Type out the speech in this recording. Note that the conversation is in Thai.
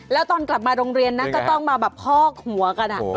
แล้วตอนกลับมาโรงเรียนนะก็ต้องมาแบบพอกหัวกัน